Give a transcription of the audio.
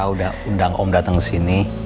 udah undang om datang ke sini